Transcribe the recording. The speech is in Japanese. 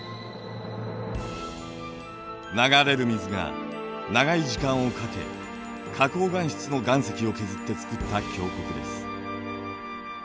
流れる水が長い時間をかけ花こう岩質の岩石を削って作った峡谷です。